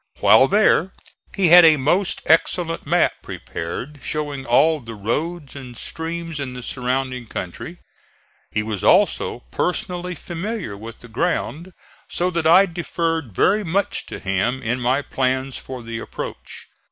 While there he had a most excellent map prepared showing all the roads and streams in the surrounding country. He was also personally familiar with the ground, so that I deferred very much to him in my plans for the approach.